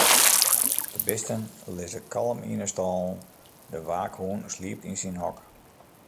De bisten lizze kalm yn 'e stâlen, de waakhûn sliept yn syn hok.